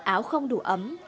áo không đủ ấm